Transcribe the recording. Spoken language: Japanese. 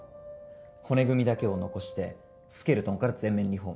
骨組みだけを残してスケルトンから全面リ